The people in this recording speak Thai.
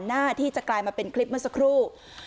หน้าที่จะกลายมาเป็นคลิปเมื่อสักครู่